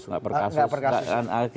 nggak per kasus